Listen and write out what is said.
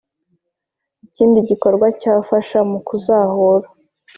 Ikindi gikorwa cyafasha mu kuzahura